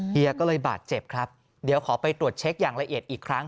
เฮียก็เลยบาดเจ็บครับเดี๋ยวขอไปตรวจเช็คอย่างละเอียดอีกครั้ง